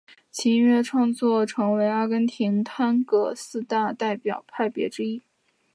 其音乐创作成为阿根廷探戈四大代表派别之一。